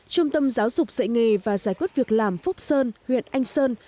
trung tâm giáo dục dạy nghề và giải quyết việc làm phúc sơn huyện anh sơn